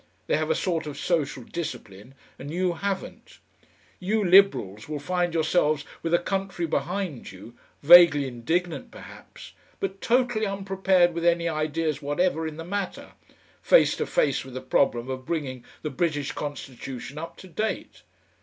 They have a sort of social discipline, and you haven't. You Liberals will find yourselves with a country behind you, vaguely indignant perhaps, but totally unprepared with any ideas whatever in the matter, face to face with the problem of bringing the British constitution up to date.